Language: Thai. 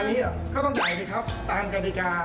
อันนี้ก็ต้องจ่ายตังค์ตามกรรดิกา